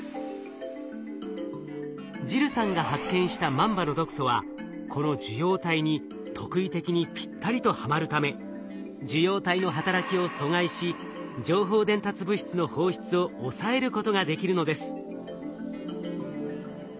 ジルさんが発見したマンバの毒素はこの受容体に特異的にぴったりとはまるため受容体の働きを阻害し情報伝達物質の放出を抑えることができるのです。